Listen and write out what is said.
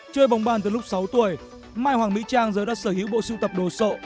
chơi bóng bàn từ lúc sáu tuổi mai hoàng mỹ trang giờ đã sở hữu bộ siêu tập đồ sộ